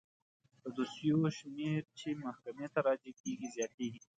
د دوسیو شمیر چې محکمې ته راجع کیږي زیاتیږي.